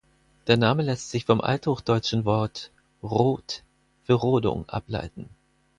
Der Name lässt sich vom althochdeutschen Wort „rod“ für Rodung ableiten.